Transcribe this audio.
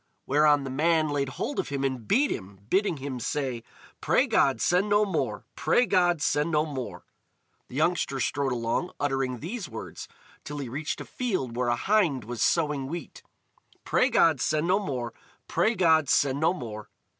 Whereon the man laid hold of him and beat him, bidding him say: "Pray God send no more! Pray God send no more!" The youngster strode along, uttering these words, till he reached a field where a hind was sowing wheat: "Pray God send no more! Pray God send no more!"